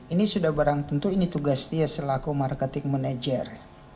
ini sudah barang tentu ini tugas dia selaku marketing manager